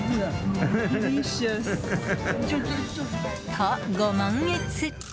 と、ご満悦。